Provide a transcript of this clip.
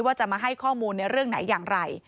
ว่าจะมาให้ข้อมูลในเรื่องไหนอย่างไร